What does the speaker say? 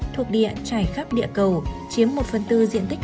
thuộc địa trải khắp địa cầu chiếm một phần tư diện tích